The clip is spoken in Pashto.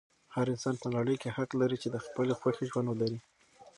هر انسان په نړۍ کې حق لري چې د خپلې خوښې ژوند ولري.